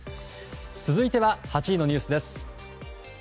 続いては、８位のニュースです。